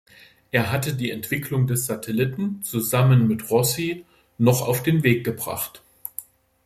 Er hatte die Entwicklung des Satelliten zusammen mit Rossi noch auf den Weg gebracht.